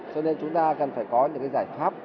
cho nên chúng ta cần phải có những cái giải pháp